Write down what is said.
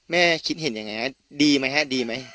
แม่คิดเห็นยังไงดีไหม